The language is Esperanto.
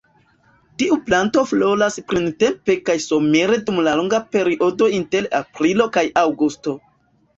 Tiu planto floras printempe kaj somere dum longa periodo inter aprilo kaj aŭgusto.